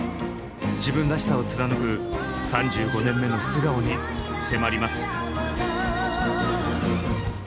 自分らしさを貫く３５年目の素顔に迫ります。